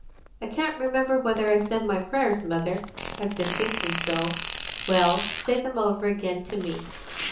"I can't remember whether I said my prayers, mother, I've been thinking so." "Well, say them over again, to me."